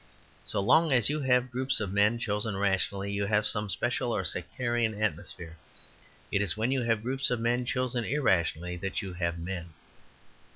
So long as you have groups of men chosen rationally, you have some special or sectarian atmosphere. It is when you have groups of men chosen irrationally that you have men.